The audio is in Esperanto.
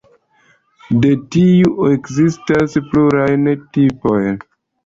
De tiu ekzistas pluraj tipoj.